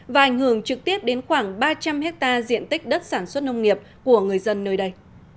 và ảnh hưởng trực tiếp đến khoảng ba trăm linh hectare diện tích đất sản xuất nông nghiệp của người dân nơi đây